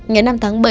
ngày năm tháng năm